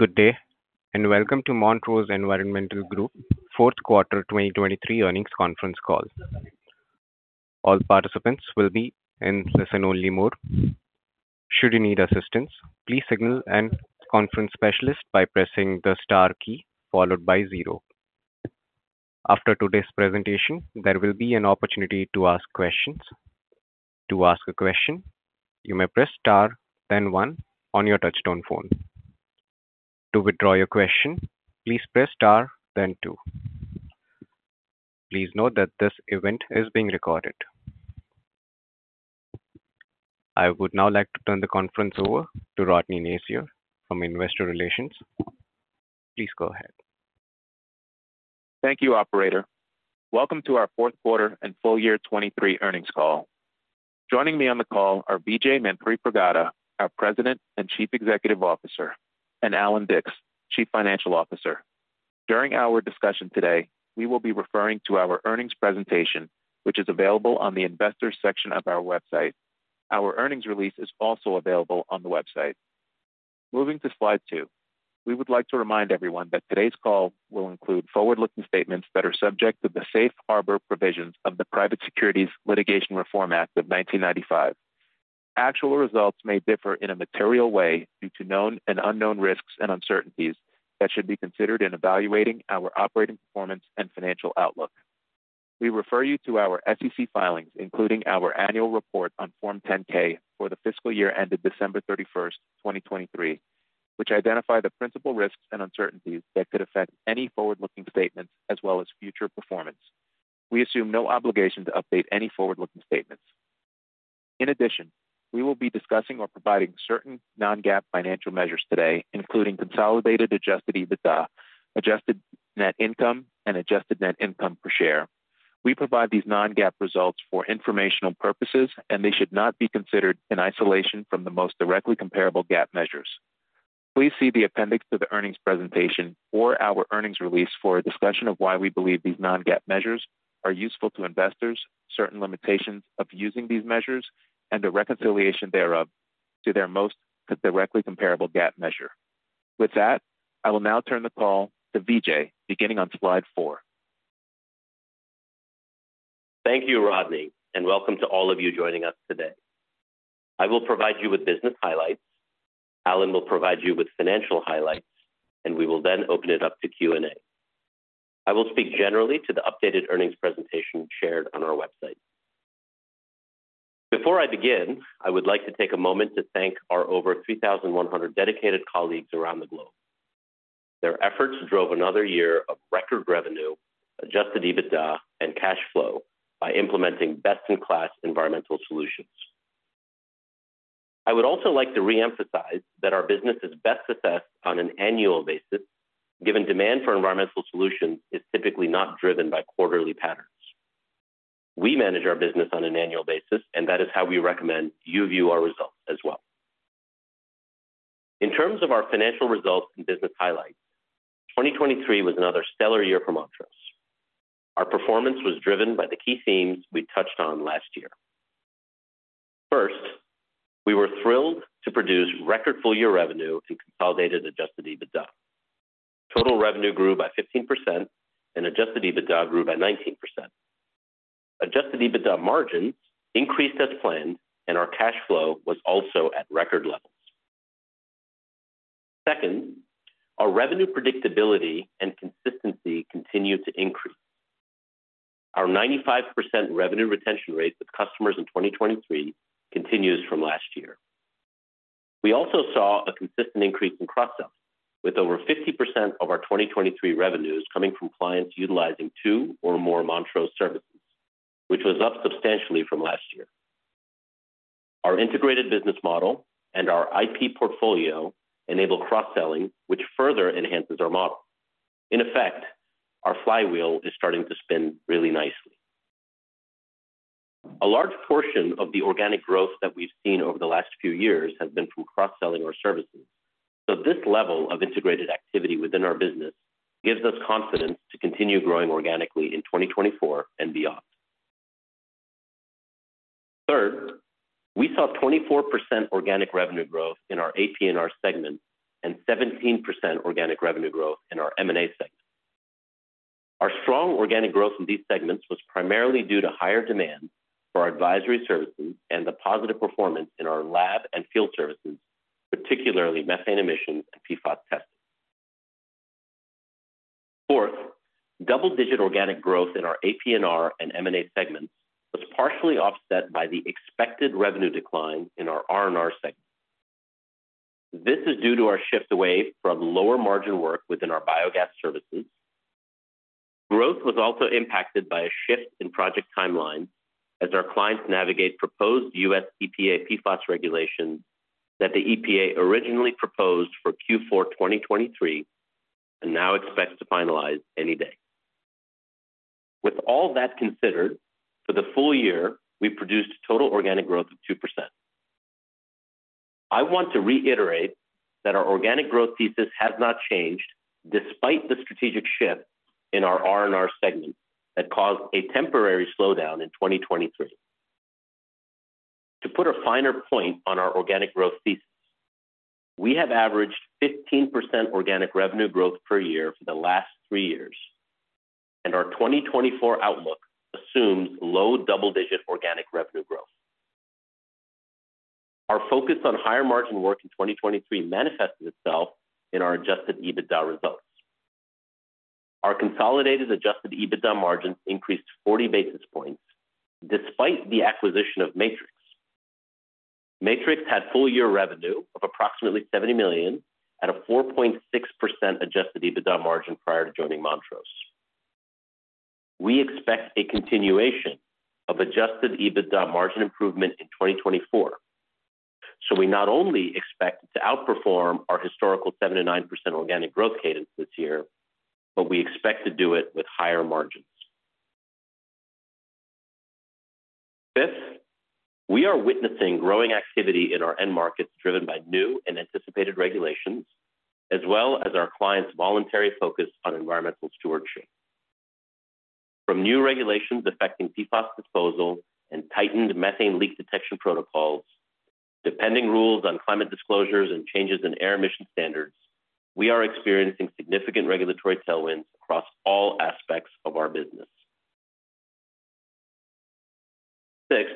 Good day and welcome to Montrose Environmental Group, fourth quarter 2023 earnings conference call. All participants will be in listen-only mode. Should you need assistance, please signal a conference specialist by pressing the star key followed by zero. After today's presentation, there will be an opportunity to ask questions. To ask a question, you may press star, then one on your touch-tone phone. To withdraw your question, please press star, then two. Please note that this event is being recorded. I would now like to turn the conference over to Rodny Nacier from Investor Relations. Please go ahead. Thank you, operator. Welcome to our fourth quarter and full year 2023 earnings call. Joining me on the call are Vijay Manthripragada, our President and Chief Executive Officer, and Allan Dicks, Chief Financial Officer. During our discussion today, we will be referring to our earnings presentation, which is available on the Investors section of our website. Our earnings release is also available on the website. Moving to slide two, we would like to remind everyone that today's call will include forward-looking statements that are subject to the Safe Harbor provisions of the Private Securities Litigation Reform Act of 1995. Actual results may differ in a material way due to known and unknown risks and uncertainties that should be considered in evaluating our operating performance and financial outlook. We refer you to our SEC filings, including our annual report on Form 10-K for the fiscal year ended December 31st, 2023, which identify the principal risks and uncertainties that could affect any forward-looking statements as well as future performance. We assume no obligation to update any forward-looking statements. In addition, we will be discussing or providing certain non-GAAP financial measures today, including consolidated Adjusted EBITDA, adjusted net income, and adjusted net income per share. We provide these non-GAAP results for informational purposes, and they should not be considered in isolation from the most directly comparable GAAP measures. Please see the appendix to the earnings presentation or our earnings release for a discussion of why we believe these non-GAAP measures are useful to investors, certain limitations of using these measures, and a reconciliation thereof to their most directly comparable GAAP measure. With that, I will now turn the call to Vijay, beginning on slide four. Thank you, Rodny, and welcome to all of you joining us today. I will provide you with business highlights, Allan will provide you with financial highlights, and we will then open it up to Q&A. I will speak generally to the updated earnings presentation shared on our website. Before I begin, I would like to take a moment to thank our over 3,100 dedicated colleagues around the globe. Their efforts drove another year of record revenue, Adjusted EBITDA, and cash flow by implementing best-in-class environmental solutions. I would also like to reemphasize that our business is best assessed on an annual basis, given demand for environmental solutions is typically not driven by quarterly patterns. We manage our business on an annual basis, and that is how we recommend you view our results as well. In terms of our financial results and business highlights, 2023 was another stellar year for Montrose. Our performance was driven by the key themes we touched on last year. First, we were thrilled to produce record full-year revenue and consolidated Adjusted EBITDA. Total revenue grew by 15%, and Adjusted EBITDA grew by 19%. Adjusted EBITDA margins increased as planned, and our cash flow was also at record levels. Second, our revenue predictability and consistency continue to increase. Our 95% revenue retention rate with customers in 2023 continues from last year. We also saw a consistent increase in cross-selling, with over 50% of our 2023 revenues coming from clients utilizing two or more Montrose services, which was up substantially from last year. Our integrated business model and our IP portfolio enable cross-selling, which further enhances our model. In effect, our flywheel is starting to spin really nicely. A large portion of the organic growth that we've seen over the last few years has been from cross-selling our services, so this level of integrated activity within our business gives us confidence to continue growing organically in 2024 and beyond. Third, we saw 24% organic revenue growth in our AP&R segment and 17% organic revenue growth in our M&A segment. Our strong organic growth in these segments was primarily due to higher demand for our advisory services and the positive performance in our lab and field services, particularly methane emissions and PFAS testing. Fourth, double-digit organic growth in our AP&R and M&A segments was partially offset by the expected revenue decline in our R&R segment. This is due to our shift away from lower-margin work within our biogas services. Growth was also impacted by a shift in project timelines as our clients navigate proposed U.S. EPA PFAS regulations that the EPA originally proposed for Q4 2023 and now expects to finalize any day. With all that considered, for the full year, we produced total organic growth of 2%. I want to reiterate that our organic growth thesis has not changed despite the strategic shift in our R&R segment that caused a temporary slowdown in 2023. To put a finer point on our organic growth thesis, we have averaged 15% organic revenue growth per year for the last three years, and our 2024 outlook assumes low double-digit organic revenue growth. Our focus on higher-margin work in 2023 manifested itself in our Adjusted EBITDA results. Our consolidated Adjusted EBITDA margins increased 40 basis points despite the acquisition of Matrix. Matrix had full-year revenue of approximately $70 million at a 4.6% adjusted EBITDA margin prior to joining Montrose. We expect a continuation of adjusted EBITDA margin improvement in 2024, so we not only expect to outperform our historical 79% organic growth cadence this year, but we expect to do it with higher margins. Fifth, we are witnessing growing activity in our end markets driven by new and anticipated regulations, as well as our clients' voluntary focus on environmental stewardship. From new regulations affecting PFAS disposal and tightened methane leak detection protocols, pending rules on climate disclosures and changes in air emission standards, we are experiencing significant regulatory tailwinds across all aspects of our business. Sixth,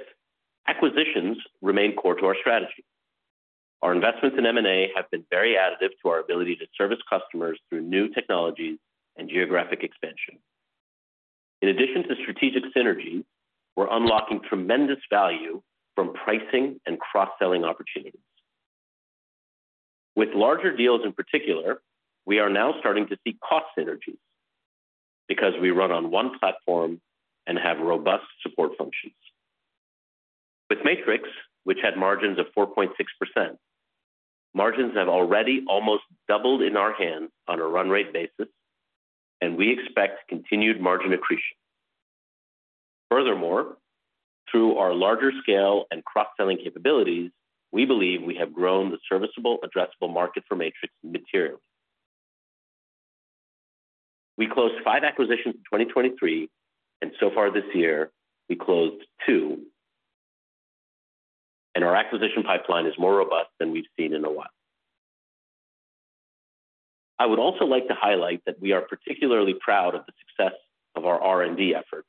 acquisitions remain core to our strategy. Our investments in M&A have been very additive to our ability to service customers through new technologies and geographic expansion. In addition to strategic synergies, we're unlocking tremendous value from pricing and cross-selling opportunities. With larger deals in particular, we are now starting to see cost synergies because we run on one platform and have robust support functions. With Matrix, which had margins of 4.6%, margins have already almost doubled in our hands on a run-rate basis, and we expect continued margin accretion. Furthermore, through our larger scale and cross-selling capabilities, we believe we have grown the serviceable, addressable market for Matrix materially. We closed five acquisitions in 2023, and so far this year, we closed two, and our acquisition pipeline is more robust than we've seen in a while. I would also like to highlight that we are particularly proud of the success of our R&D efforts,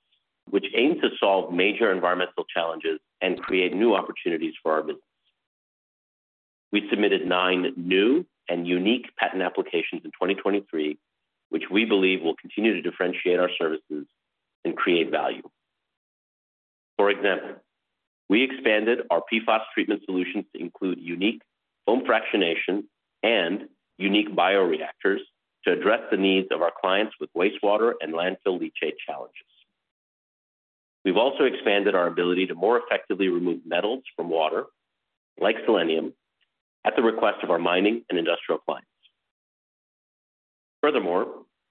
which aim to solve major environmental challenges and create new opportunities for our business. We submitted nine new and unique patent applications in 2023, which we believe will continue to differentiate our services and create value. For example, we expanded our PFAS treatment solutions to include unique foam fractionation and unique bioreactors to address the needs of our clients with wastewater and landfill leachate challenges. We've also expanded our ability to more effectively remove metals from water, like selenium, at the request of our mining and industrial clients. Furthermore,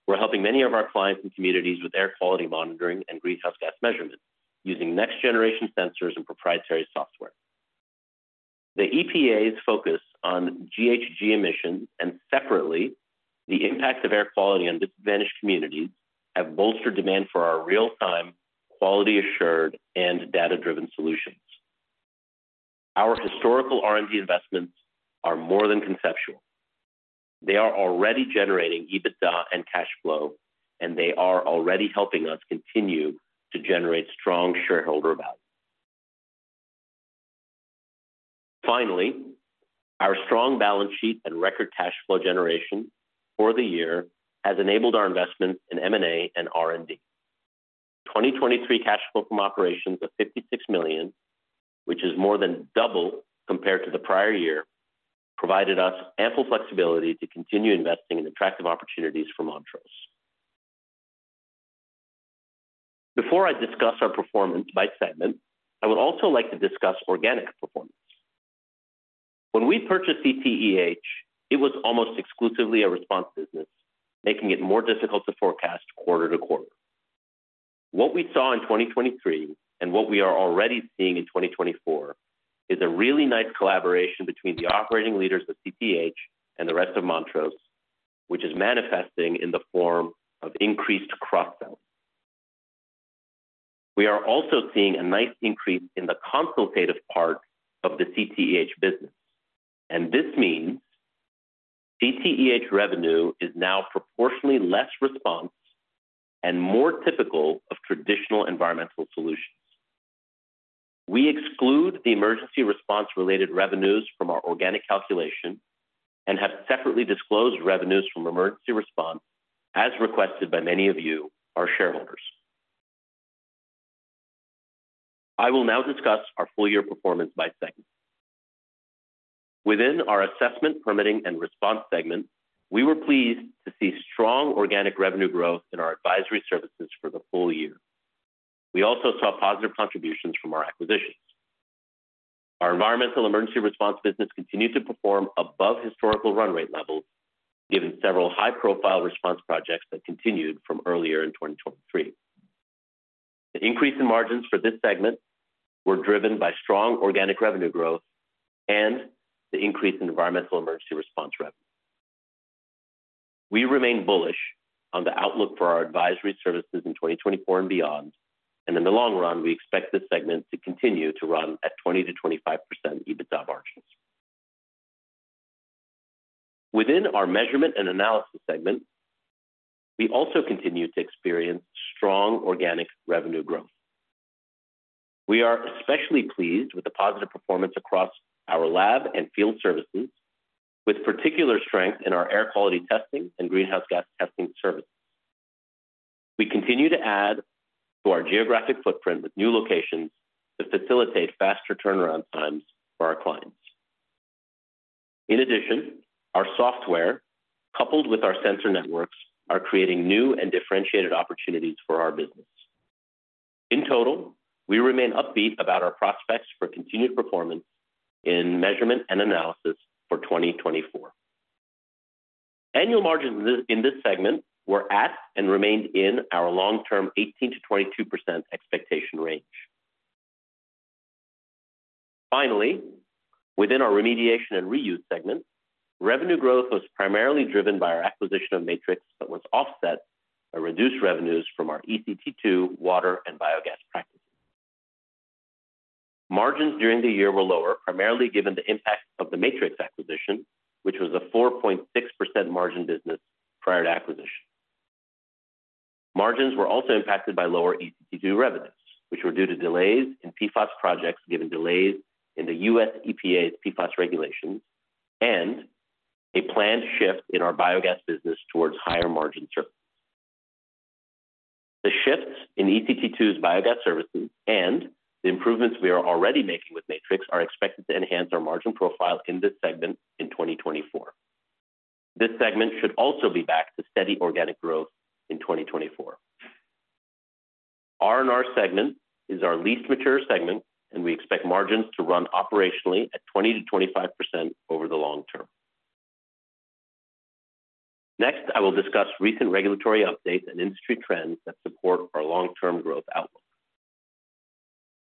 we're helping many of our clients and communities with air quality monitoring and greenhouse gas measurements using next-generation sensors and proprietary software. The EPA's focus on GHG emissions and, separately, the impact of air quality on disadvantaged communities have bolstered demand for our real-time, quality-assured, and data-driven solutions. Our historical R&D investments are more than conceptual. They are already generating EBITDA and cash flow, and they are already helping us continue to generate strong shareholder value. Finally, our strong balance sheet and record cash flow generation for the year has enabled our investments in M&A and R&D. 2023 cash flow from operations of $56 million, which is more than double compared to the prior year, provided us ample flexibility to continue investing in attractive opportunities for Montrose. Before I discuss our performance by segment, I would also like to discuss organic performance. When we purchased CTEH, it was almost exclusively a response business, making it more difficult to forecast quarter to quarter. What we saw in 2023 and what we are already seeing in 2024 is a really nice collaboration between the operating leaders of CTEH and the rest of Montrose, which is manifesting in the form of increased cross-selling. We are also seeing a nice increase in the consultative part of the CTEH business, and this means CTEH revenue is now proportionally less response and more typical of traditional environmental solutions. We exclude the emergency response-related revenues from our organic calculation and have separately disclosed revenues from emergency response, as requested by many of you, our shareholders. I will now discuss our full-year performance by segment. Within our Assessment, Permitting, and Response segment, we were pleased to see strong organic revenue growth in our advisory services for the full year. We also saw positive contributions from our acquisitions. Our environmental emergency response business continued to perform above historical run-rate levels, given several high-profile response projects that continued from earlier in 2023. The increase in margins for this segment were driven by strong organic revenue growth and the increase in environmental emergency response revenue. We remain bullish on the outlook for our advisory services in 2024 and beyond, and in the long run, we expect this segment to continue to run at 20%-25% EBITDA margins. Within our measurement and analysis segment, we also continue to experience strong organic revenue growth. We are especially pleased with the positive performance across our lab and field services, with particular strength in our air quality testing and greenhouse gas testing services. We continue to add to our geographic footprint with new locations to facilitate faster turnaround times for our clients. In addition, our software, coupled with our sensor networks, are creating new and differentiated opportunities for our business. In total, we remain upbeat about our prospects for continued performance in measurement and analysis for 2024. Annual margins in this segment were at and remained in our long-term 18%-22% expectation range. Finally, within our remediation and reuse segment, revenue growth was primarily driven by our acquisition of Matrix but was offset by reduced revenues from our ECT2 water and biogas practices. Margins during the year were lower, primarily given the impact of the Matrix acquisition, which was a 4.6% margin business prior to acquisition. Margins were also impacted by lower ECT2 revenues, which were due to delays in PFAS projects given delays in the U.S. EPA's PFAS regulations and a planned shift in our biogas business towards higher-margin services. The shifts in ECT2's biogas services and the improvements we are already making with Matrix are expected to enhance our margin profile in this segment in 2024. This segment should also be back to steady organic growth in 2024. R&R Segment is our least mature segment, and we expect margins to run operationally at 20%-25% over the long term. Next, I will discuss recent regulatory updates and industry trends that support our long-term growth outlook.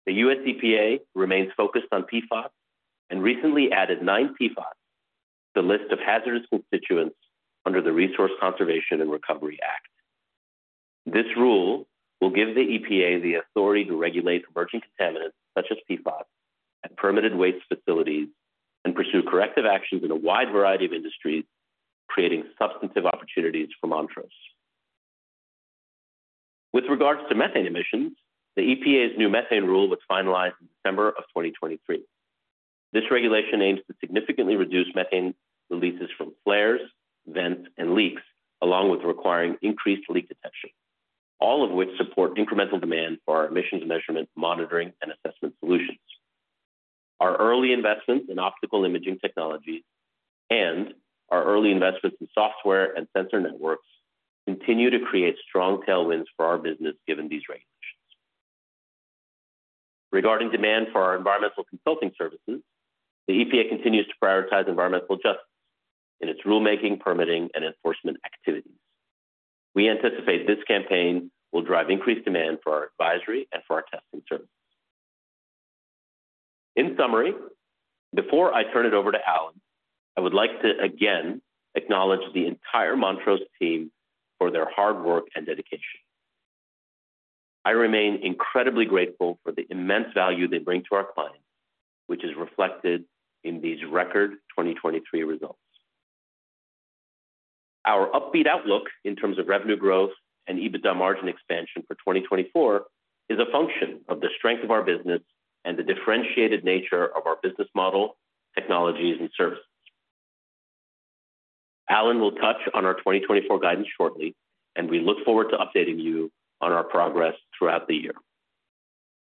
The U.S. EPA remains focused on PFAS and recently added nine PFAS to the list of hazardous constituents under the Resource Conservation and Recovery Act. This rule will give the EPA the authority to regulate emerging contaminants such as PFAS at permitted waste facilities and pursue corrective actions in a wide variety of industries, creating substantive opportunities for Montrose. With regards to methane emissions, the EPA's new methane rule was finalized in December of 2023. This regulation aims to significantly reduce methane releases from flares, vents, and leaks, along with requiring increased leak detection, all of which support incremental demand for our emissions measurement, monitoring, and assessment solutions. Our early investments in optical imaging technologies and our early investments in software and sensor networks continue to create strong tailwinds for our business given these regulations. Regarding demand for our environmental consulting services, the EPA continues to prioritize environmental justice in its rulemaking, permitting, and enforcement activities. We anticipate this campaign will drive increased demand for our advisory and for our testing services. In summary, before I turn it over to Allan, I would like to again acknowledge the entire Montrose team for their hard work and dedication. I remain incredibly grateful for the immense value they bring to our clients, which is reflected in these record 2023 results. Our upbeat outlook in terms of revenue growth and EBITDA margin expansion for 2024 is a function of the strength of our business and the differentiated nature of our business model, technologies, and services. Allan will touch on our 2024 guidance shortly, and we look forward to updating you on our progress throughout the year.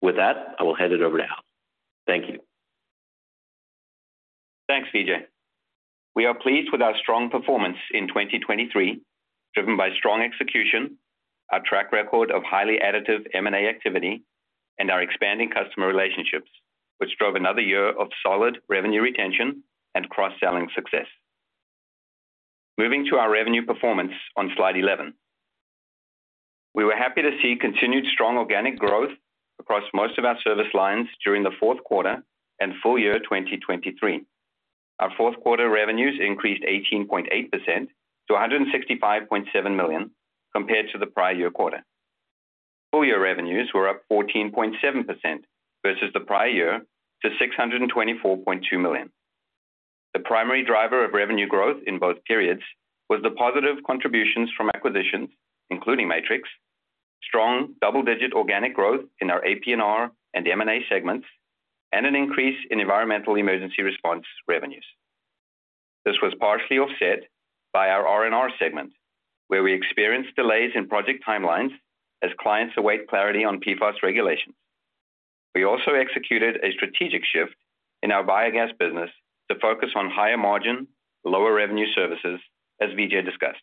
With that, I will hand it over to Allan. Thank you. Thanks, Vijay. We are pleased with our strong performance in 2023, driven by strong execution, our track record of highly additive M&A activity, and our expanding customer relationships, which drove another year of solid revenue retention and cross-selling success. Moving to our revenue performance on slide 11, we were happy to see continued strong organic growth across most of our service lines during the fourth quarter and full year 2023. Our fourth quarter revenues increased 18.8% to $165.7 million compared to the prior year quarter. Full year revenues were up 14.7% versus the prior year to $624.2 million. The primary driver of revenue growth in both periods was the positive contributions from acquisitions, including Matrix, strong double-digit organic growth in our AP&R and M&A segments, and an increase in environmental emergency response revenues. This was partially offset by our R&R Segment, where we experienced delays in project timelines as clients await clarity on PFAS regulations. We also executed a strategic shift in our biogas business to focus on higher-margin, lower-revenue services, as Vijay discussed.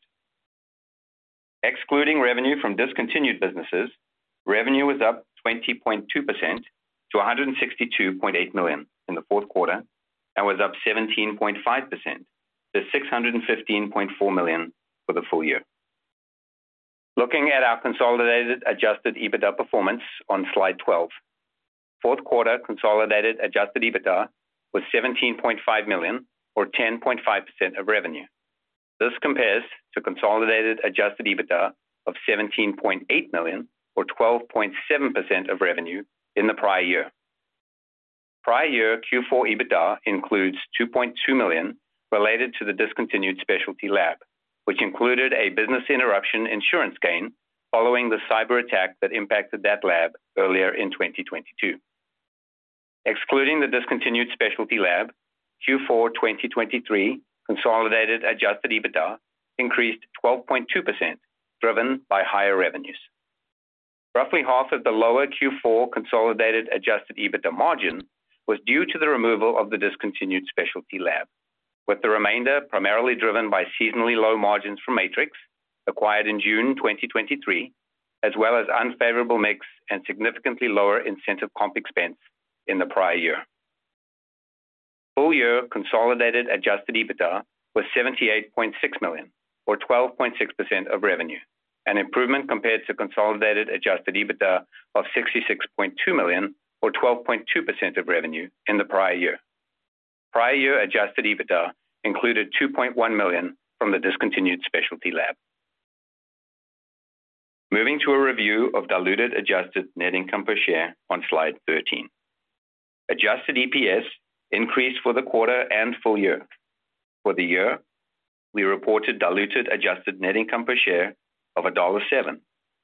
Excluding revenue from discontinued businesses, revenue was up 20.2% to $162.8 million in the fourth quarter and was up 17.5% to $615.4 million for the full year. Looking at our consolidated Adjusted EBITDA performance on slide 12, fourth quarter consolidated Adjusted EBITDA was $17.5 million or 10.5% of revenue. This compares to consolidated Adjusted EBITDA of $17.8 million or 12.7% of revenue in the prior year. Prior year Q4 EBITDA includes $2.2 million related to the discontinued specialty lab, which included a business interruption insurance gain following the cyber attack that impacted that lab earlier in 2022. Excluding the discontinued specialty lab, Q4 2023 consolidated adjusted EBITDA increased 12.2% driven by higher revenues. Roughly half of the lower Q4 consolidated adjusted EBITDA margin was due to the removal of the discontinued specialty lab, with the remainder primarily driven by seasonally low margins from Matrix acquired in June 2023, as well as unfavorable mix and significantly lower incentive comp expense in the prior year. Full year consolidated adjusted EBITDA was $78.6 million or 12.6% of revenue, an improvement compared to consolidated adjusted EBITDA of $66.2 million or 12.2% of revenue in the prior year. Prior year adjusted EBITDA included $2.1 million from the discontinued specialty lab. Moving to a review of diluted adjusted net income per share on slide 13. Adjusted EPS increased for the quarter and full year. For the year, we reported diluted adjusted net income per share of $1.07,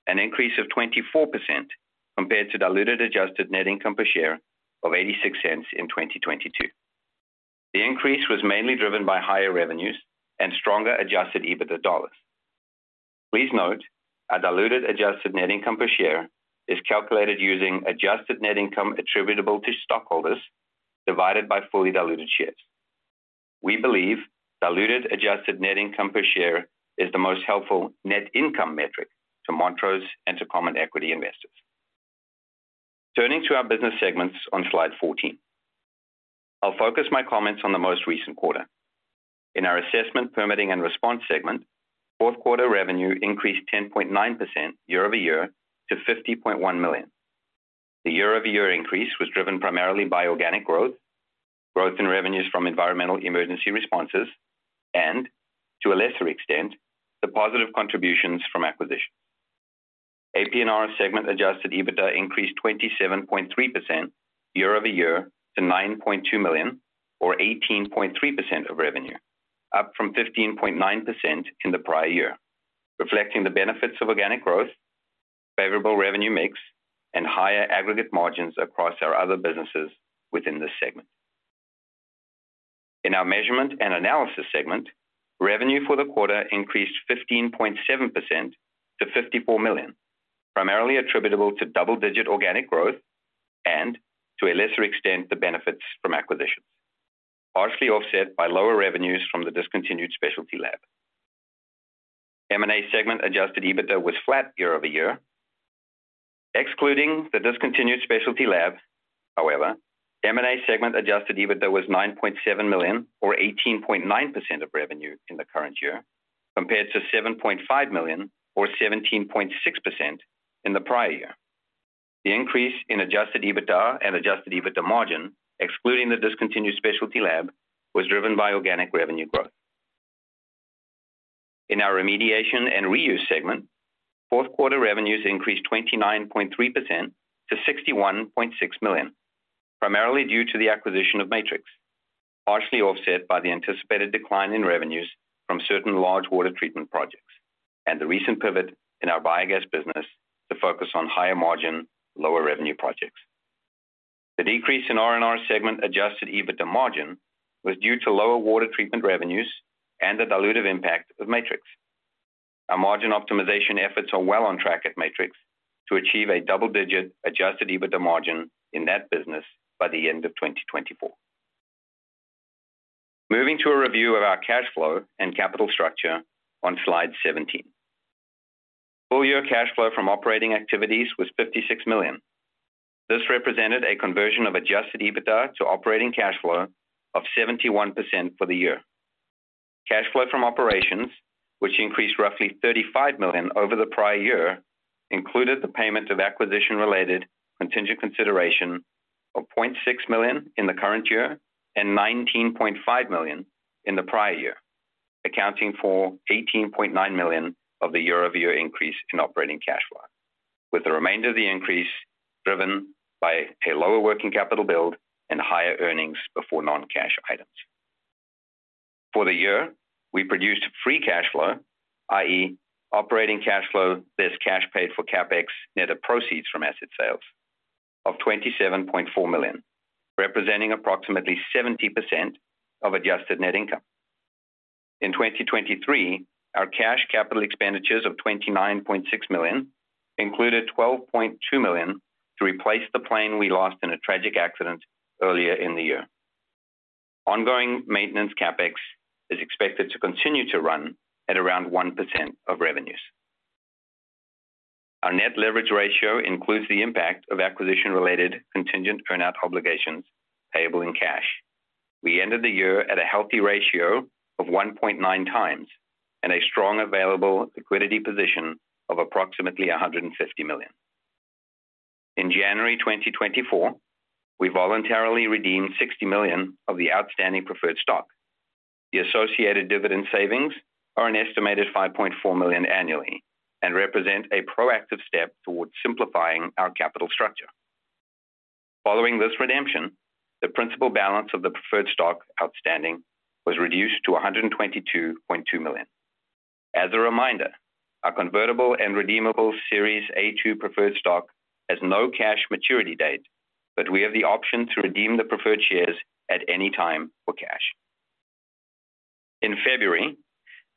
an increase of 24% compared to diluted adjusted net income per share of $0.86 in 2022. The increase was mainly driven by higher revenues and stronger adjusted EBITDA dollars. Please note, our diluted adjusted net income per share is calculated using adjusted net income attributable to stockholders divided by fully diluted shares. We believe diluted adjusted net income per share is the most helpful net income metric to Montrose and to common equity investors. Turning to our business segments on slide 14, I'll focus my comments on the most recent quarter. In our assessment, permitting, and response segment, fourth quarter revenue increased 10.9% year-over-year to $50.1 million. The year-over-year increase was driven primarily by organic growth, growth in revenues from environmental emergency responses, and, to a lesser extent, the positive contributions from acquisitions. AP&R Segment Adjusted EBITDA increased 27.3% year-over-year to $9.2 million or 18.3% of revenue, up from 15.9% in the prior year, reflecting the benefits of organic growth, favorable revenue mix, and higher aggregate margins across our other businesses within this segment. In our Measurement and Analysis Segment, revenue for the quarter increased 15.7% to $54 million, primarily attributable to double-digit organic growth and, to a lesser extent, the benefits from acquisitions, partially offset by lower revenues from the discontinued specialty lab. M&A Segment Adjusted EBITDA was flat year-over-year. Excluding the discontinued specialty lab, however, M&A Segment Adjusted EBITDA was $9.7 million or 18.9% of revenue in the current year compared to $7.5 million or 17.6% in the prior year. The increase in Adjusted EBITDA and Adjusted EBITDA margin, excluding the discontinued specialty lab, was driven by organic revenue growth. In our remediation and reuse segment, fourth quarter revenues increased 29.3% to $61.6 million, primarily due to the acquisition of Matrix, partially offset by the anticipated decline in revenues from certain large water treatment projects and the recent pivot in our biogas business to focus on higher-margin, lower-revenue projects. The decrease in R&R segment Adjusted EBITDA margin was due to lower water treatment revenues and the dilutive impact of Matrix. Our margin optimization efforts are well on track at Matrix to achieve a double-digit Adjusted EBITDA margin in that business by the end of 2024. Moving to a review of our cash flow and capital structure on slide 17. Full year cash flow from operating activities was $56 million. This represented a conversion of Adjusted EBITDA to operating cash flow of 71% for the year. Cash flow from operations, which increased roughly $35 million over the prior year, included the payment of acquisition-related contingent consideration of $0.6 million in the current year and $19.5 million in the prior year, accounting for $18.9 million of the year-over-year increase in operating cash flow, with the remainder of the increase driven by a lower working capital build and higher earnings before non-cash items. For the year, we produced free cash flow, i.e., operating cash flow versus cash paid for CapEx net of proceeds from asset sales, of $27.4 million, representing approximately 70% of adjusted net income. In 2023, our cash capital expenditures of $29.6 million included $12.2 million to replace the plane we lost in a tragic accident earlier in the year. Ongoing maintenance CapEx is expected to continue to run at around 1% of revenues. Our Net Leverage Ratio includes the impact of acquisition-related contingent earnout obligations payable in cash. We ended the year at a healthy ratio of 1.9x and a strong available liquidity position of approximately $150 million. In January 2024, we voluntarily redeemed $60 million of the outstanding preferred stock. The associated dividend savings are an estimated $5.4 million annually and represent a proactive step towards simplifying our capital structure. Following this redemption, the principal balance of the preferred stock outstanding was reduced to $122.2 million. As a reminder, our convertible and redeemable Series A2 Preferred Stock has no cash maturity date, but we have the option to redeem the preferred shares at any time for cash. In February,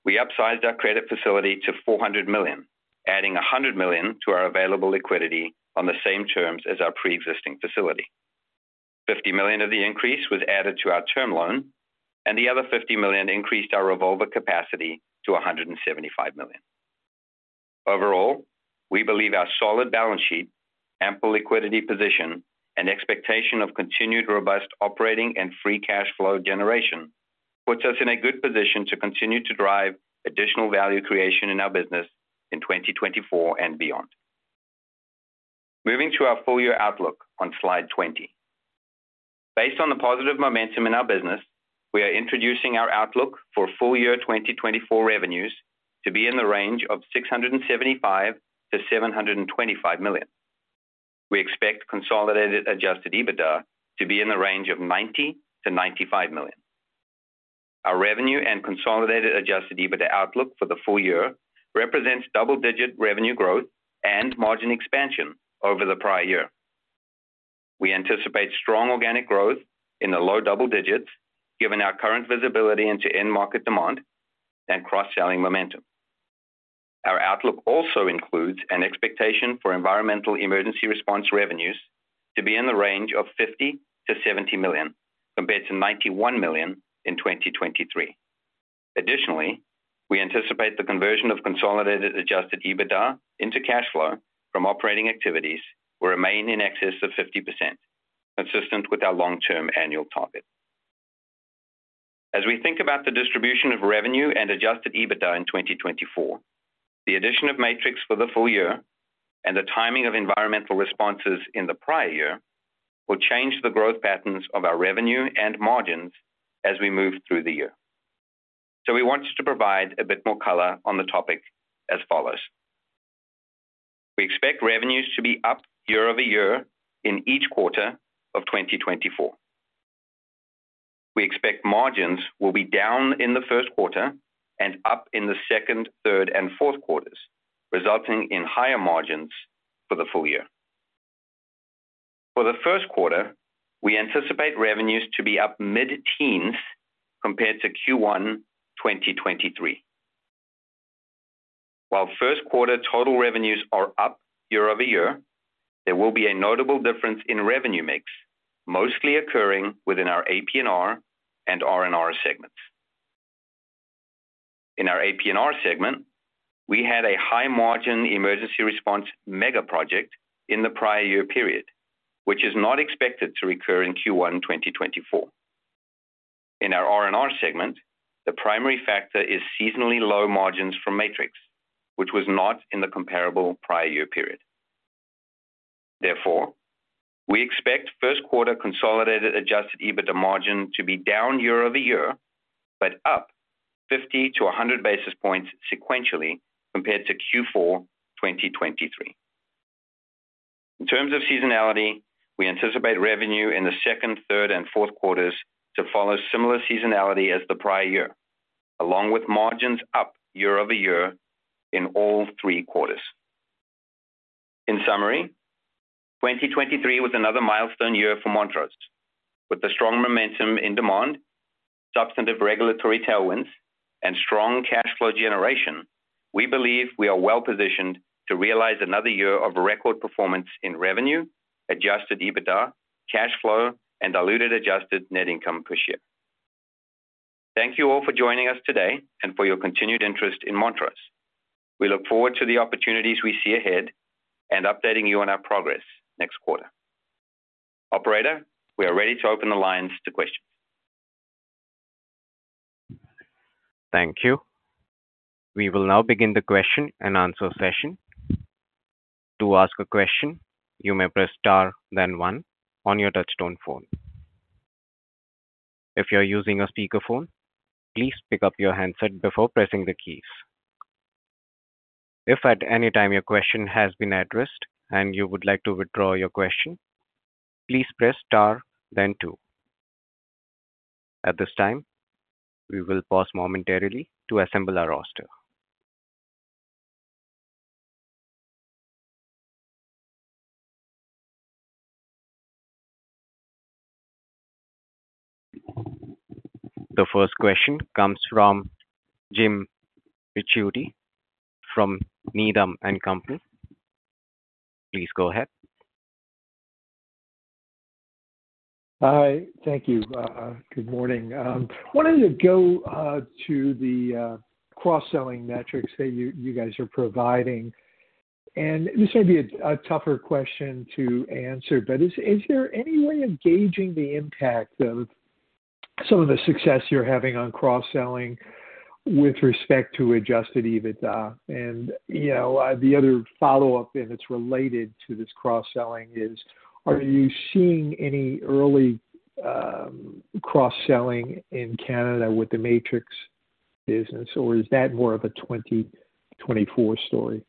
we upsized our credit facility to $400 million, adding $100 million to our available liquidity on the same terms as our pre-existing facility. $50 million of the increase was added to our term loan, and the other $50 million increased our revolver capacity to $175 million. Overall, we believe our solid balance sheet, ample liquidity position, and expectation of continued robust operating and free cash flow generation puts us in a good position to continue to drive additional value creation in our business in 2024 and beyond. Moving to our full year outlook on slide 20. Based on the positive momentum in our business, we are introducing our outlook for full year 2024 revenues to be in the range of $675 million-$725 million. We expect consolidated Adjusted EBITDA to be in the range of $90 million-$95 million. Our revenue and consolidated Adjusted EBITDA outlook for the full year represents double-digit revenue growth and margin expansion over the prior year. We anticipate strong organic growth in the low double digits, given our current visibility into end-market demand and cross-selling momentum. Our outlook also includes an expectation for environmental emergency response revenues to be in the range of $50 million-$70 million compared to $91 million in 2023. Additionally, we anticipate the conversion of consolidated Adjusted EBITDA into cash flow from operating activities will remain in excess of 50%, consistent with our long-term annual target. As we think about the distribution of revenue and Adjusted EBITDA in 2024, the addition of Matrix for the full year and the timing of environmental responses in the prior year will change the growth patterns of our revenue and margins as we move through the year. So we want to provide a bit more color on the topic as follows. We expect revenues to be up year over year in each quarter of 2024. We expect margins will be down in the first quarter and up in the second, third, and fourth quarters, resulting in higher margins for the full year. For the first quarter, we anticipate revenues to be up mid-teens compared to Q1 2023. While first quarter total revenues are up year-over-year, there will be a notable difference in revenue mix, mostly occurring within our AP&R and R&R segments. In our AP&R segment, we had a high-margin emergency response mega project in the prior year period, which is not expected to recur in Q1 2024. In our R&R segment, the primary factor is seasonally low margins from Matrix, which was not in the comparable prior year period. Therefore, we expect first quarter consolidated Adjusted EBITDA margin to be down year-over-year but up 50-100 basis points sequentially compared to Q4 2023. In terms of seasonality, we anticipate revenue in the second, third, and fourth quarters to follow similar seasonality as the prior year, along with margins up year-over-year in all three quarters. In summary, 2023 was another milestone year for Montrose. With the strong momentum in demand, substantive regulatory tailwinds, and strong cash flow generation, we believe we are well positioned to realize another year of record performance in revenue, Adjusted EBITDA, cash flow, and diluted Adjusted Net Income per Share. Thank you all for joining us today and for your continued interest in Montrose. We look forward to the opportunities we see ahead and updating you on our progress next quarter. Operator, we are ready to open the lines to questions. Thank you. We will now begin the question and answer session. To ask a question, you may press star then one on your touch-tone phone. If you're using a speakerphone, please pick up your handset before pressing the keys. If at any time your question has been addressed and you would like to withdraw your question, please press star then two. At this time, we will pause momentarily to assemble our roster. The first question comes from Jim Ricchiuti from Needham & Company. Please go ahead. Hi. Thank you. Good morning. I wanted to go to the cross-selling metrics that you guys are providing. This may be a tougher question to answer, but is there any way of gauging the impact of some of the success you're having on cross-selling with respect to Adjusted EBITDA? The other follow-up, and it's related to this cross-selling, is are you seeing any early cross-selling in Canada with the Matrix business, or is that more of a 2024 story?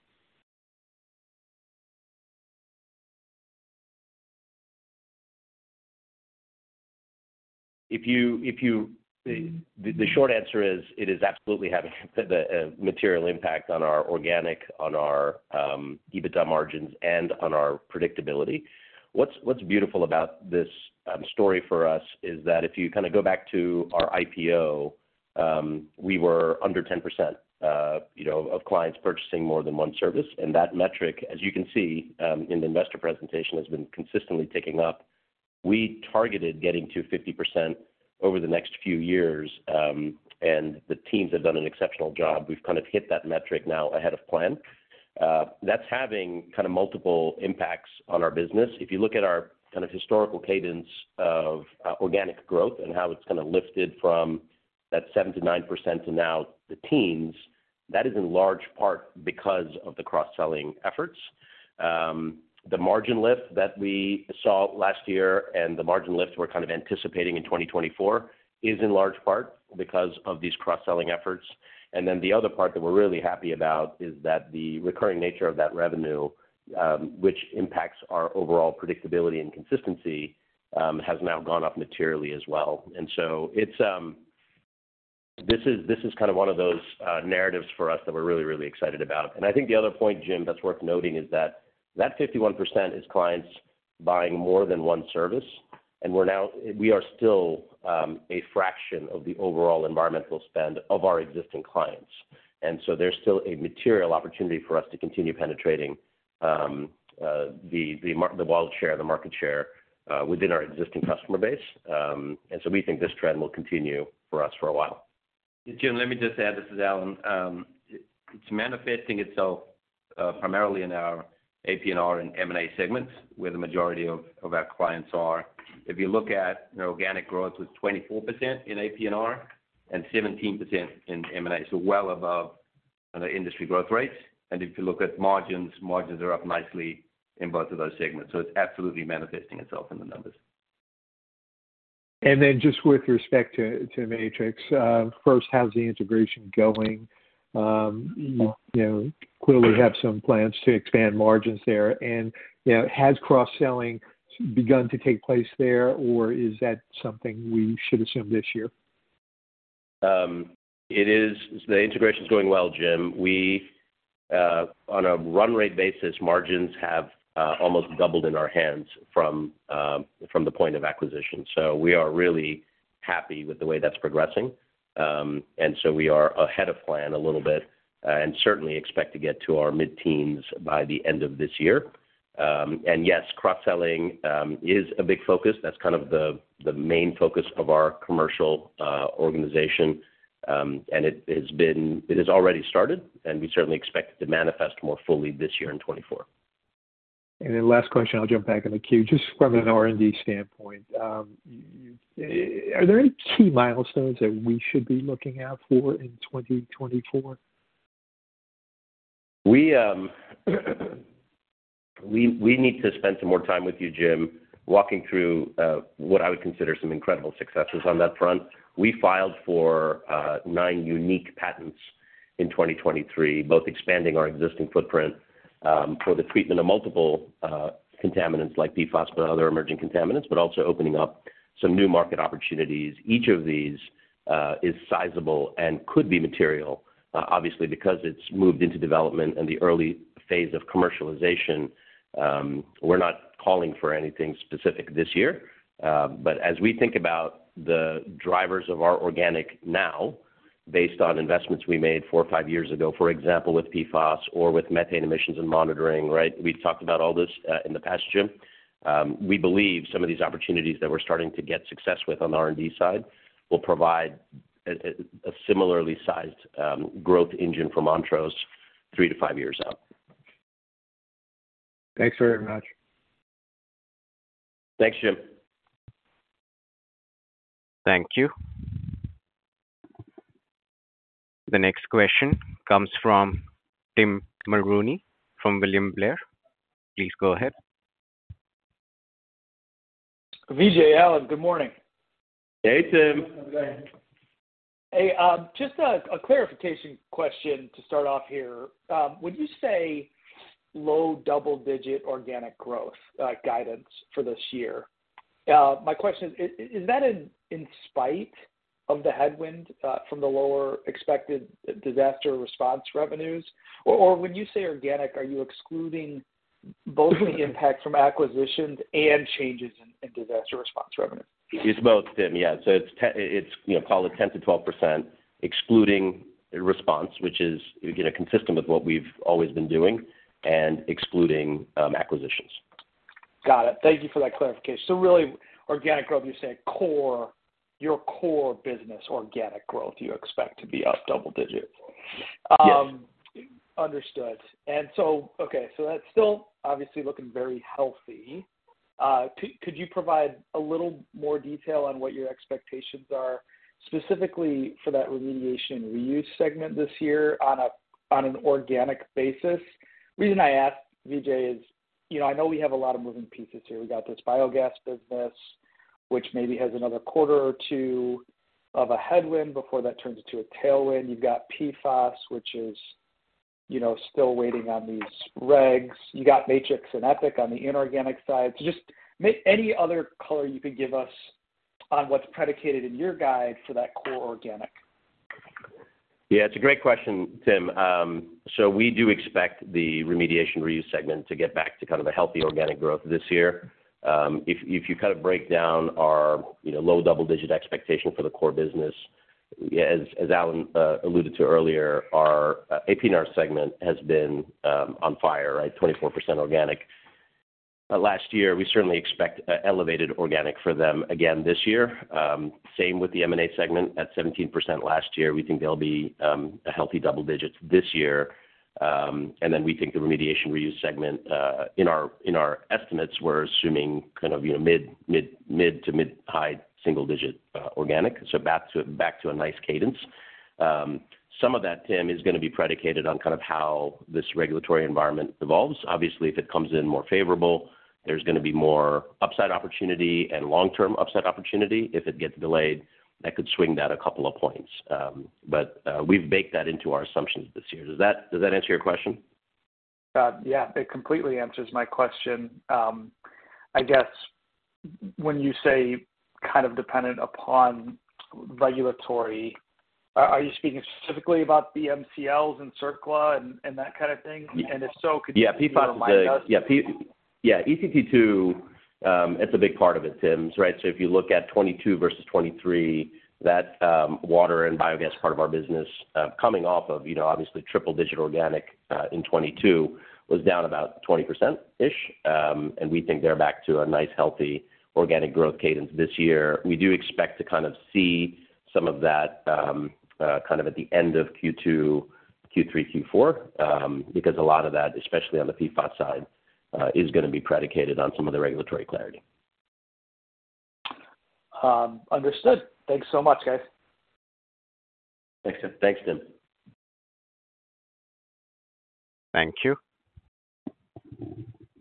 The short answer is it is absolutely having a material impact on our organic, on our EBITDA margins, and on our predictability. What's beautiful about this story for us is that if you kind of go back to our IPO, we were under 10% of clients purchasing more than one service. And that metric, as you can see in the investor presentation, has been consistently ticking up. We targeted getting to 50% over the next few years, and the teams have done an exceptional job. We've kind of hit that metric now ahead of plan. That's having kind of multiple impacts on our business. If you look at our kind of historical cadence of organic growth and how it's kind of lifted from that 7%-9% to now the teens, that is in large part because of the cross-selling efforts. The margin lift that we saw last year and the margin lift we're kind of anticipating in 2024 is in large part because of these cross-selling efforts. And then the other part that we're really happy about is that the recurring nature of that revenue, which impacts our overall predictability and consistency, has now gone up materially as well. And so this is kind of one of those narratives for us that we're really, really excited about. And I think the other point, Jim, that's worth noting is that that 51% is clients buying more than one service, and we are still a fraction of the overall environmental spend of our existing clients. And so there's still a material opportunity for us to continue penetrating the wallet share, the market share, within our existing customer base. And so we think this trend will continue for us for a while. Jim, let me just add, this is Allan. It's manifesting itself primarily in our AP&R and M&A segments, where the majority of our clients are. If you look at organic growth, it was 24% in AP&R and 17% in M&A, so well above kind of industry growth rates. And if you look at margins, margins are up nicely in both of those segments. So it's absolutely manifesting itself in the numbers. Then just with respect to Matrix, first, how's the integration going? You clearly have some plans to expand margins there. Has cross-selling begun to take place there, or is that something we should assume this year? The integration's going well, Jim. On a run-rate basis, margins have almost doubled in our hands from the point of acquisition. So we are really happy with the way that's progressing. And so we are ahead of plan a little bit and certainly expect to get to our mid-teens by the end of this year. And yes, cross-selling is a big focus. That's kind of the main focus of our commercial organization. And it has already started, and we certainly expect it to manifest more fully this year and 2024. And then last question, I'll jump back in the queue. Just from an R&D standpoint, are there any key milestones that we should be looking out for in 2024? We need to spend some more time with you, Jim, walking through what I would consider some incredible successes on that front. We filed for nine unique patents in 2023, both expanding our existing footprint for the treatment of multiple contaminants like PFAS but other emerging contaminants, but also opening up some new market opportunities. Each of these is sizable and could be material, obviously, because it's moved into development and the early phase of commercialization. We're not calling for anything specific this year. But as we think about the drivers of our organic now based on investments we made four or five years ago, for example, with PFAS or with methane emissions and monitoring, right? We talked about all this in the past, Jim. We believe some of these opportunities that we're starting to get success with on the R&D side will provide a similarly sized growth engine for Montrose 3-5 years out. Thanks very much. Thanks, Jim. Thank you. The next question comes from Tim Mulrooney from William Blair. Please go ahead. Vijay, Allan, good morning. Hey, Tim. Hey. Just a clarification question to start off here. Would you say low double-digit organic growth guidance for this year? My question is, is that in spite of the headwind from the lower expected disaster response revenues? Or when you say organic, are you excluding both the impact from acquisitions and changes in disaster response revenues? It's both, Tim. Yeah. So it's call it 10%-12%, excluding response, which is consistent with what we've always been doing, and excluding acquisitions. Got it. Thank you for that clarification. So really, organic growth, you're saying your core business organic growth, you expect to be up double digits. Yes. Understood. Okay. So that's still obviously looking very healthy. Could you provide a little more detail on what your expectations are, specifically for that remediation and reuse segment this year on an organic basis? The reason I asked, Vijay, is I know we have a lot of moving pieces here. We got this biogas business, which maybe has another quarter or two of a headwind before that turns into a tailwind. You've got PFAS, which is still waiting on these regs. You got Matrix and Epic on the inorganic side. So just any other color you could give us on what's predicated in your guide for that core organic. Yeah. It's a great question, Tim. So we do expect the remediation reuse segment to get back to kind of a healthy organic growth this year. If you kind of break down our low double-digit expectation for the core business, as Allan alluded to earlier, our AP&R segment has been on fire, right, 24% organic. Last year, we certainly expect elevated organic for them again this year. Same with the M&A segment at 17% last year. We think they'll be a healthy double digit this year. And then we think the remediation reuse segment, in our estimates, we're assuming kind of mid- to mid-high single-digit organic. So back to a nice cadence. Some of that, Tim, is going to be predicated on kind of how this regulatory environment evolves. Obviously, if it comes in more favorable, there's going to be more upside opportunity and long-term upside opportunity. If it gets delayed, that could swing that a couple of points. But we've baked that into our assumptions this year. Does that answer your question? Yeah. It completely answers my question. I guess when you say kind of dependent upon regulatory, are you speaking specifically about the MCLs and CERCLA and that kind of thing? And if so, could you just remind us? Yeah. Yeah. ECT2, it's a big part of it, Tim's, right? So if you look at 2022 versus 2023, that water and biogas part of our business coming off of, obviously, triple-digit organic in 2022 was down about 20%-ish. And we think they're back to a nice, healthy organic growth cadence this year. We do expect to kind of see some of that kind of at the end of Q2, Q3, Q4 because a lot of that, especially on the PFAS side, is going to be predicated on some of the regulatory clarity. Understood. Thanks so much, guys. Thanks, Tim. Thanks, Tim. Thank you.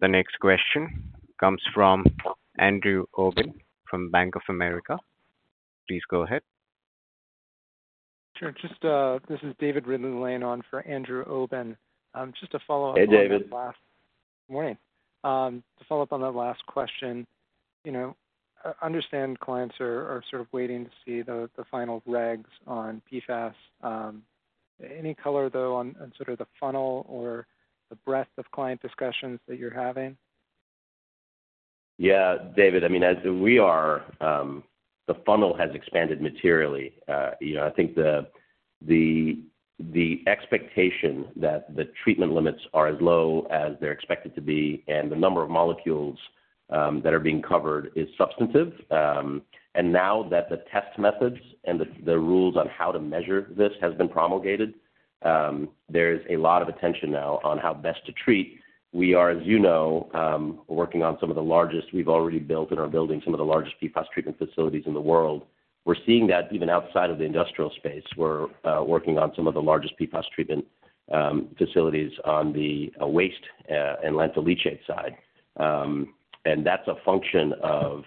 The next question comes from Andrew Obin from Bank of America. Please go ahead. Sure. This is David Ridley-Lane for Andrew Obin. Just to follow up on that last. Hey, David. Morning. To follow up on that last question, I understand clients are sort of waiting to see the final regs on PFAS. Any color, though, on sort of the funnel or the breadth of client discussions that you're having? Yeah, David. I mean, as we are, the funnel has expanded materially. I think the expectation that the treatment limits are as low as they're expected to be and the number of molecules that are being covered is substantive. And now that the test methods and the rules on how to measure this have been promulgated, there is a lot of attention now on how best to treat. We are, as you know, working on some of the largest we've already built and are building some of the largest PFAS treatment facilities in the world. We're seeing that even outside of the industrial space. We're working on some of the largest PFAS treatment facilities on the waste and landfill leachate side. And that's a function of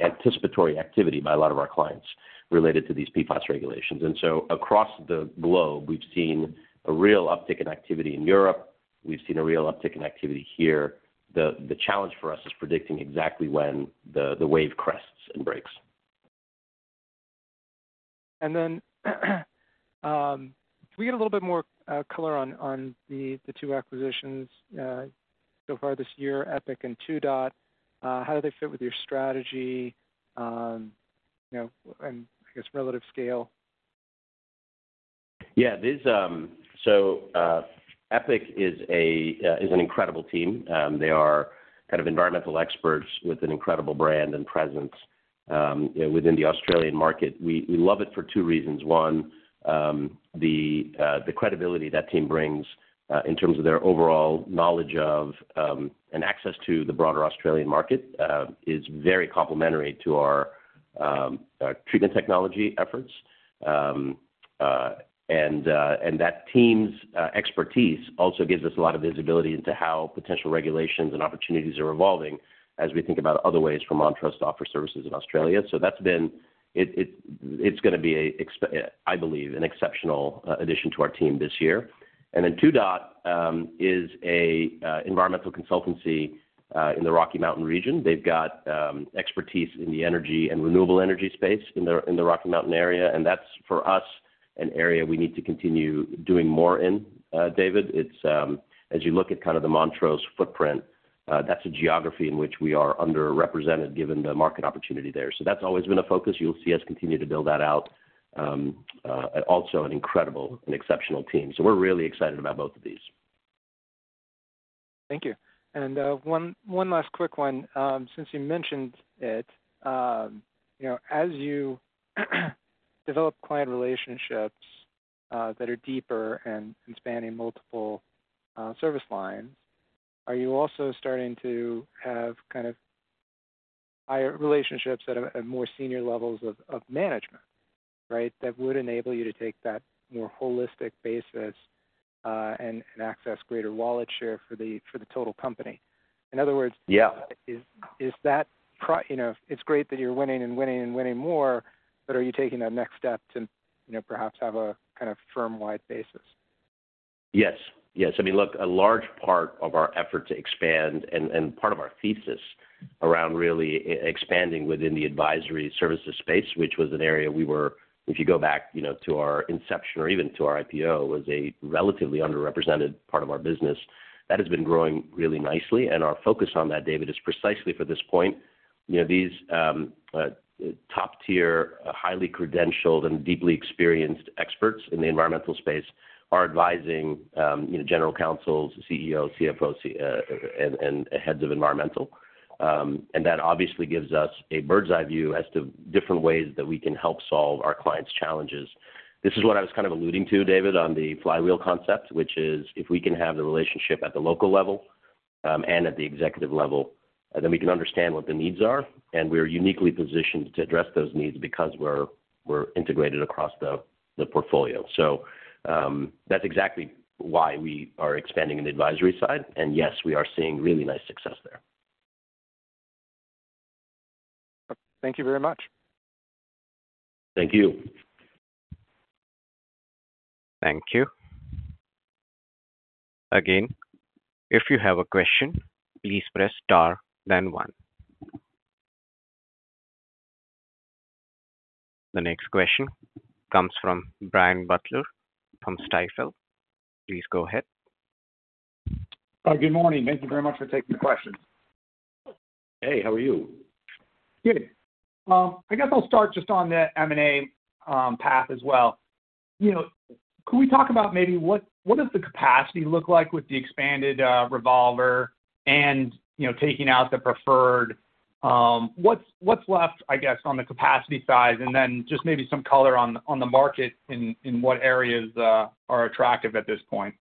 anticipatory activity by a lot of our clients related to these PFAS regulations. Across the globe, we've seen a real uptick in activity in Europe. We've seen a real uptick in activity here. The challenge for us is predicting exactly when the wave crests and breaks. And then if we get a little bit more color on the two acquisitions so far this year, Epic and Two Dot, how do they fit with your strategy and, I guess, relative scale? Yeah. So Epic is an incredible team. They are kind of environmental experts with an incredible brand and presence within the Australian market. We love it for two reasons. One, the credibility that team brings in terms of their overall knowledge of and access to the broader Australian market is very complementary to our treatment technology efforts. And that team's expertise also gives us a lot of visibility into how potential regulations and opportunities are evolving as we think about other ways for Montrose to offer services in Australia. So it's going to be, I believe, an exceptional addition to our team this year. And then Two Dot is an environmental consultancy in the Rocky Mountain Region. They've got expertise in the energy and renewable energy space in the Rocky Mountain area. And that's, for us, an area we need to continue doing more in, David. As you look at kind of the Montrose footprint, that's a geography in which we are underrepresented given the market opportunity there. So that's always been a focus. You'll see us continue to build that out. Also an incredible and exceptional team. So we're really excited about both of these. Thank you. One last quick one. Since you mentioned it, as you develop client relationships that are deeper and spanning multiple service lines, are you also starting to have kind of higher relationships at more senior levels of management, right, that would enable you to take that more holistic basis and access greater wallet share for the total company? In other words, is that it's great that you're winning and winning and winning more, but are you taking that next step to perhaps have a kind of firm-wide basis? Yes. Yes. I mean, look, a large part of our effort to expand and part of our thesis around really expanding within the advisory services space, which was an area we were, if you go back to our inception or even to our IPO, was a relatively underrepresented part of our business, that has been growing really nicely. And our focus on that, David, is precisely for this point. These top-tier, highly credentialed, and deeply experienced experts in the environmental space are advising general counsels, CEOs, CFOs, and heads of environmental. And that obviously gives us a bird's-eye view as to different ways that we can help solve our clients' challenges. This is what I was kind of alluding to, David, on the flywheel concept, which is if we can have the relationship at the local level and at the executive level, then we can understand what the needs are. And we're uniquely positioned to address those needs because we're integrated across the portfolio. So that's exactly why we are expanding in the advisory side. And yes, we are seeing really nice success there. Thank you very much. Thank you. Thank you. Again, if you have a question, please press star, then one. The next question comes from Brian Butler from Stifel. Please go ahead. Good morning. Thank you very much for taking the question. Hey. How are you? Good. I guess I'll start just on the M&A path as well. Can we talk about maybe what does the capacity look like with the expanded revolver and taking out the preferred? What's left, I guess, on the capacity side? And then just maybe some color on the market in what areas are attractive at this point.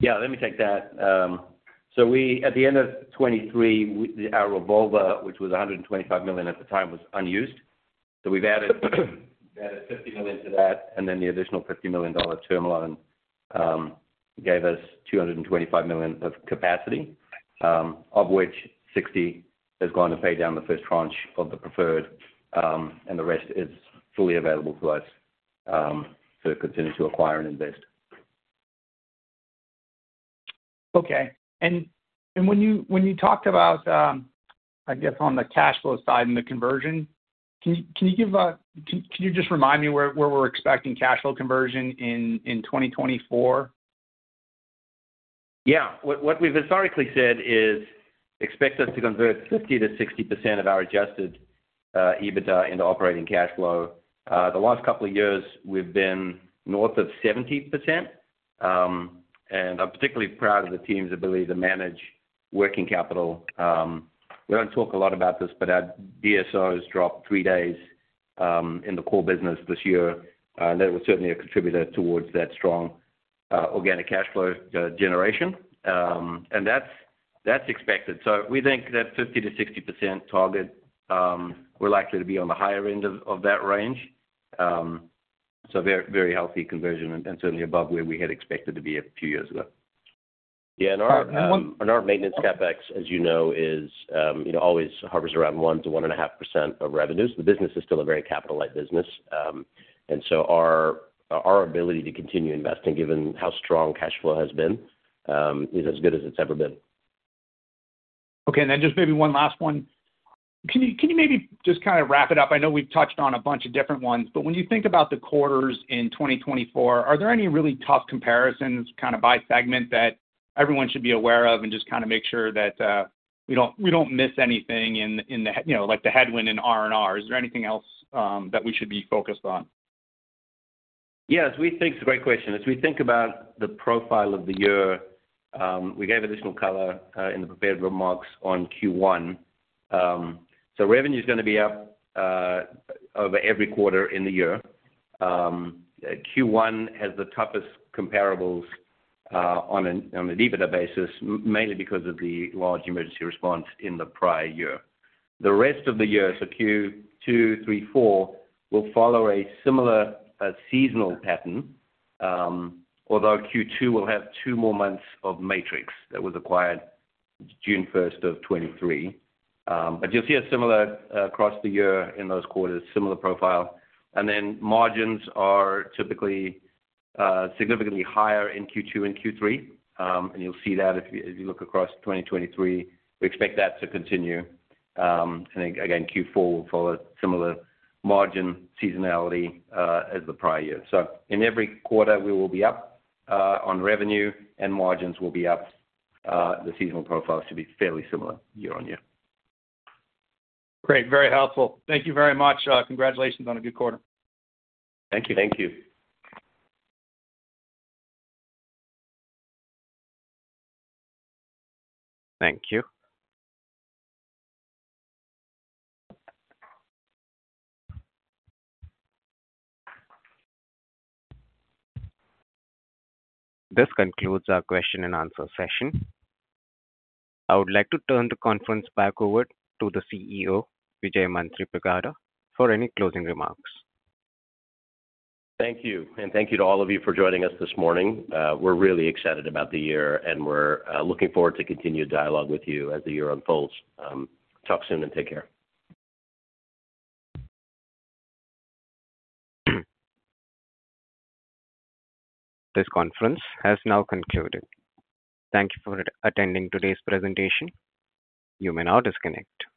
Yeah. Let me take that. So at the end of 2023, our revolver, which was $125 million at the time, was unused. So we've added $50 million to that. And then the additional $50 million term loan gave us $225 million of capacity, of which $60 million has gone to pay down the first tranche of the preferred. And the rest is fully available to us to continue to acquire and invest. Okay. And when you talked about, I guess, on the cash flow side and the conversion, could you just remind me where we're expecting cash flow conversion in 2024? Yeah. What we've historically said is expect us to convert 50%-60% of our Adjusted EBITDA into operating cash flow. The last couple of years, we've been north of 70%. I'm particularly proud of the team's ability to manage working capital. We don't talk a lot about this, but our DSOs dropped three days in the core business this year. That was certainly a contributor towards that strong organic cash flow generation. That's expected. So we think that 50%-60% target, we're likely to be on the higher end of that range. So very healthy conversion and certainly above where we had expected to be a few years ago. Yeah. Our maintenance CapEx, as you know, always hovers around 1%-1.5% of revenues. The business is still a very capital-light business. And so our ability to continue investing, given how strong cash flow has been, is as good as it's ever been. Okay. And then just maybe one last one. Can you maybe just kind of wrap it up? I know we've touched on a bunch of different ones. But when you think about the quarters in 2024, are there any really tough comparisons kind of by segment that everyone should be aware of and just kind of make sure that we don't miss anything in the headwind in R&R? Is there anything else that we should be focused on? Yes. It's a great question. As we think about the profile of the year, we gave additional color in the prepared remarks on Q1. So revenue is going to be up over every quarter in the year. Q1 has the toughest comparables on an EBITDA basis, mainly because of the large emergency response in the prior year. The rest of the year, so Q2, Q3, Q4, will follow a similar seasonal pattern, although Q2 will have two more months of Matrix that was acquired June 1st of 2023. But you'll see a similar across the year in those quarters, similar profile. And then margins are typically significantly higher in Q2 and Q3. And you'll see that if you look across 2023. We expect that to continue. And again, Q4 will follow a similar margin seasonality as the prior year. So in every quarter, we will be up on revenue. Margins will be up. The seasonal profiles should be fairly similar year-over-year. Great. Very helpful. Thank you very much. Congratulations on a good quarter. Thank you. Thank you. Thank you. This concludes our question-and-answer session. I would like to turn the conference back over to the CEO, Vijay Manthripragada, for any closing remarks. Thank you. And thank you to all of you for joining us this morning. We're really excited about the year. And we're looking forward to continued dialogue with you as the year unfolds. Talk soon and take care. This conference has now concluded. Thank you for attending today's presentation. You may now disconnect.